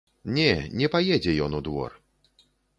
Не, не паедзе ён у двор.